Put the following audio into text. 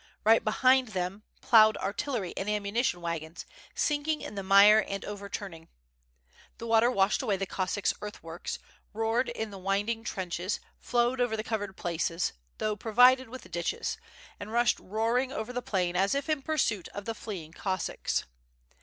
Right behind them plowed artillery and ammunition wagons, sinking in the mire and overturning. The water washed away the Cossacks' earth works, roared in the winding trenches, flowed over the covered places, though provided with ditches, and rushed roaring over the plain as if in pursuit of the fleeing Cossacks.